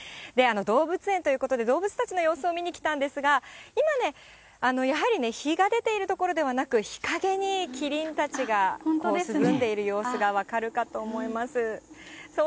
動物園ということで、動物たちの様子を見にきたんですが、今ね、やはり日が出ている所ではなく、日陰にキリンたちが涼んでいる様子が分かるかと思います。